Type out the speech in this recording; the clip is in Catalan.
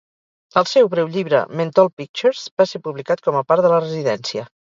El seu breu llibre "Menthol Pictures" va ser publicat com a part de la residència.